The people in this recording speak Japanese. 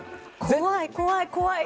怖い、怖い。